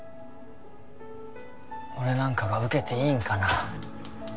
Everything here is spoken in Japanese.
俺なんかが受けていいんかな？